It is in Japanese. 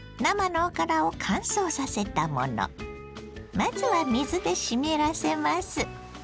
まずは水で湿らせます。